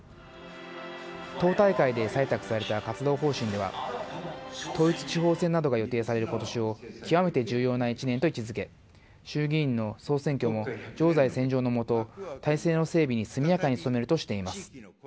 党大会で採択された活動方針では統一地方選などが予定される今年を極めて重要な１年と位置付け衆議院の総選挙も常在戦場のもと態勢の整備に速やかに努めるとしています。